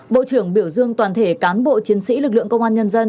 bộ trưởng biểu dương toàn thể cán bộ chiến sĩ lực lượng công an nhân dân